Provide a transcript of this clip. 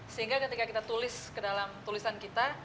sehingga ketika kita tulis ke dalam tulisan kita